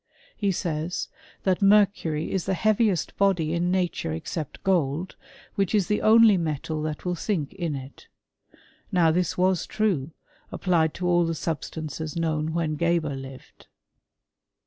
He sa that mercury is the heaviest body in nature exc _ gold, which is the only metal that will sink in : g\ ^^^^^^^^^^^^"^' applied to all the substances kno i il when Geber lived.